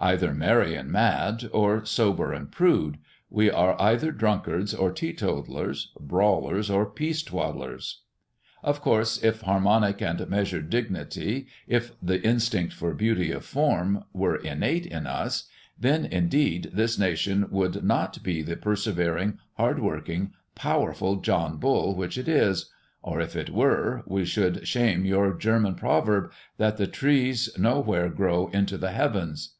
Either merry and mad, or sober and prude; we are either drunkards or teetotallers, brawlers or peace twaddlers. Of course, if harmonic and measured dignity, if the instinct for beauty of form, were innate in us, then, indeed, this nation would not be the persevering, hard working, powerful John Bull which it is; or if it were, we should shame your German proverb, that the trees nowhere grow into the heavens.